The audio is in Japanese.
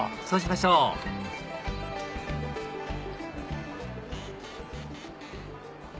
そうしましょうあれ？